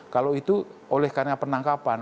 kalau itu oleh karena penangkapan